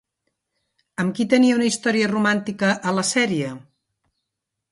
Amb qui tenia una història romàntica a la sèrie?